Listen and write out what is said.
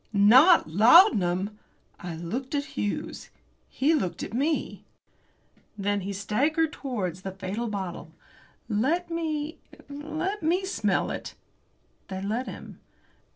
NOT laudanum! I looked at Hughes. He looked at me. Then he staggered towards that fatal bottle. "Let me let me smell it." They let him.